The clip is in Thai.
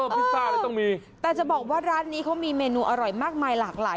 พิซซ่าเลยต้องมีแต่จะบอกว่าร้านนี้เขามีเมนูอร่อยมากมายหลากหลาย